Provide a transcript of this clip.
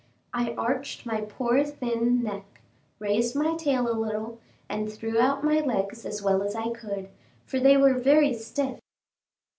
I arched my poor thin neck, raised my tail a little and threw out my legs as well as I could, for they were very stiff.